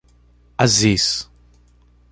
Assis